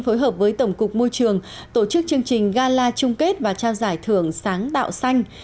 phối hợp với tổng cục môi trường tổ chức chương trình gala chung kết và trao giải thưởng sáng tạo xanh